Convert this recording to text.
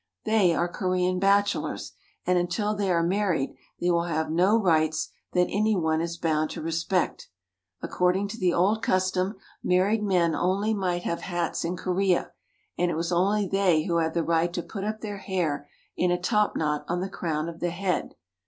They are Korean bachelors, and until they are married they will have no rights that any one is bound to respect. Korean Children. According to the old 98 KOREA custom, married men only might have hats in Korea, and it was only they who had the right to put up their hair in a top knot on the crown of the head.